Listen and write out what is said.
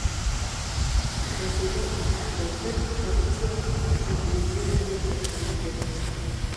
Рәсәйҙә иһә былтыр коррупцияға ҡаршы милли комитет төҙөлдө.